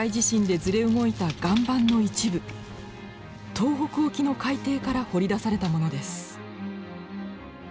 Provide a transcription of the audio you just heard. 東北沖の海底から掘り出されたものです。